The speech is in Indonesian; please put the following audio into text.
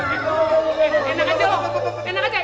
masih muda anak anak